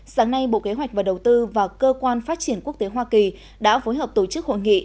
sáng nay bộ kế hoạch và đầu tư và cơ quan phát triển quốc tế hoa kỳ đã phối hợp tổ chức hội nghị